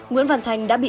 nguyễn văn thành đã bị